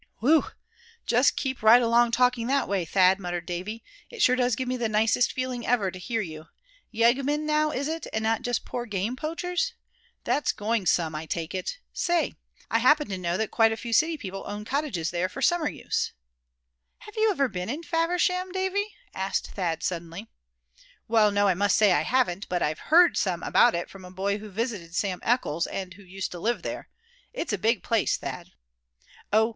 "Whew! just keep right along talking that way, Thad," muttered Davy. "It sure does give me the nicest feeling ever to hear you. Yeggmen now is it, and not just poor game poachers? That's going some, I take it. Say, perhaps they've been and broke into a rich man's place over in Faversham. I happen to know that quite a few city people own cottages there for summer use." "Have you ever been in Faversham, Davy?" asked Thad, suddenly. "Well, no, I must say I haven't; but I've heard some about it from a boy who visited Sim Eckles, and who used to live there. It's a big place, Thad." "Oh!